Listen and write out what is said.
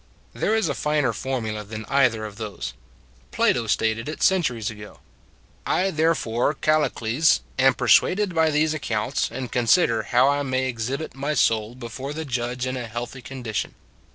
There is a finer formula than either of these. Plato stated it, centuries ago: I therefore, Callicles, am persuaded by these accounts, and consider how I may exhibit my Greatest Sporting Proposition 151 soul before the judge in a healthy condition.